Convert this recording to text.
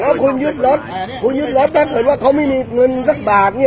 แล้วคุณยึดรถเราลองเลือกว่าเขาไม่มีเงินซักบาทนี่